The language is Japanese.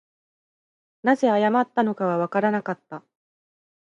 何故謝ったのかはわからなかった